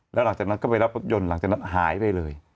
แล้วหลังจากนั้นก็ไปรับรถยนต์หลังจากนั้นหายไปเลย